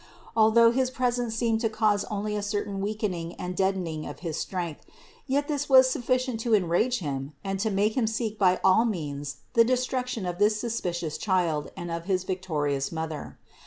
Although his presence seemed to cause only a certain weakening and deadening of his strength; yet this was sufficient to en rage him and to make him seek by all means the destruc tion of this suspicious Child and of his victorious Mother.